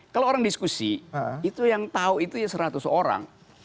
kalau orang diskusi itu yang tahu itu ya seratus orang